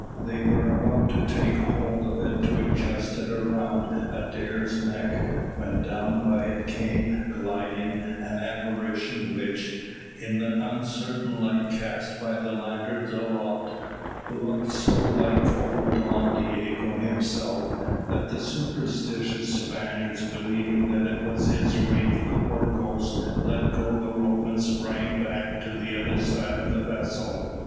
They were about to take hold of it to adjust it round Adair's neck, when down by it came gliding an apparition which, in the uncertain light cast by the lanterns aloft, looked so like old Don Diogo himself, that the superstitious Spaniards, believing that it was his wraith or ghost, let go the rope and sprang back to the other side of the vessel.